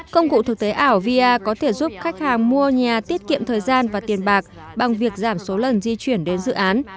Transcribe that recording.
công cụ thực tế ảo via có thể giúp khách hàng mua nhà tiết kiệm thời gian và tiền bạc bằng việc giảm số lần di chuyển đến dự án